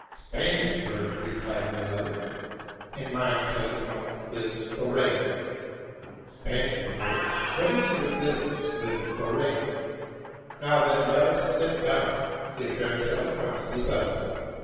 ''—'* Spangenberg,'' re plied the other. '* And mine,'' said the count, '' is Thorane. Spangenberg, what is your business with Thorane? Now, then, let us sit down: the affair shall at once be settled.